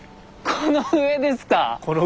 この上です。